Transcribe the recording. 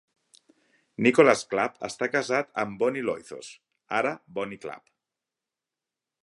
Nicholas Clapp està casat amb Bonnie Loizos, ara Bonnie Clapp.